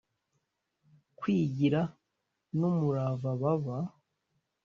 Kwigira n umurava baba